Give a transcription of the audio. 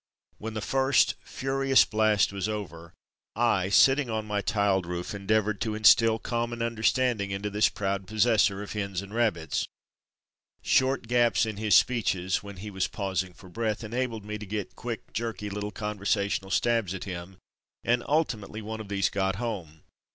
When the first, furious blast was over I, 284 From Mud to Mufti sitting on my tiled roof, endeavoured to in stil calm and understanding into this proud possessor of hens and rabbits. Short gaps in his speeches (when he was pausing for breath) enabled me to get quick, jerky little conversational stabs at him, and ultimately one of these got home.